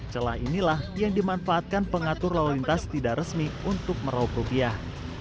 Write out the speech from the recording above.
celah inilah yang dimanfaatkan pengatur lalu lintas tidak resmi untuk meraup rupiah